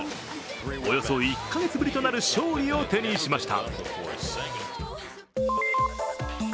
およそ１か月ぶりとなる勝利を手にしました。